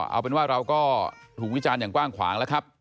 เอาเป็นว่าเราก็ถูกวิจารณ์อย่างกว้างขวางแล้วครับ